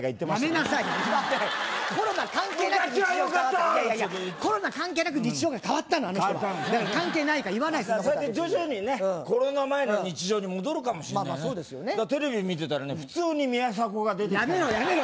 なんつってコロナ関係なく日常が変わったのあの人は関係ないから言わないそんなことそうやって徐々にねコロナ前の日常に戻るかもまあまあそうですよテレビ見てたらね普通に宮迫が出てやめろ